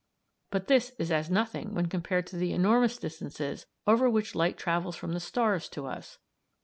But this is as nothing when compared to the enormous distances over which light travels from the stars to us.